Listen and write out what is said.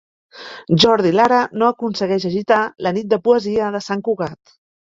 Jordi Lara no aconsegueix agitar la Nit de Poesia de Sant Cugat